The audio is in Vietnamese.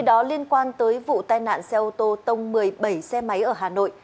đó liên quan tới vụ tai nạn xe ô tô tông một mươi bảy xe máy ở hà nội